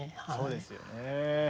そうですよね。